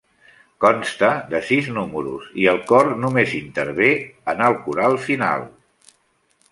Consta de sis números, i el cor només intervé en el coral final.